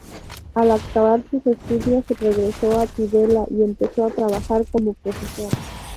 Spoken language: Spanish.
Al acabar sus estudios, regresó a Tudela y empezó a trabajar como profesor.